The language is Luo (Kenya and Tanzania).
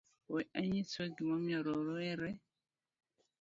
We anyisue gimomiyo rowere